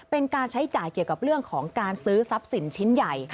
เป็นการใช้จ่ายเกี่ยวกับเรื่องของการซื้อทรัพย์สินชิ้นใหญ่